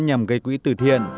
nhằm gây quỹ từ thiện